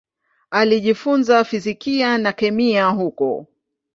Alijifunza fizikia na kemia huko.